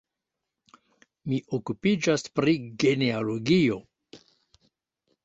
Mi okupiĝas pri genealogio.